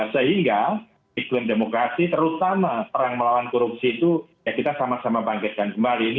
sehingga iklim demokrasi terutama perang melawan korupsi itu ya kita sama sama bangkitkan kembali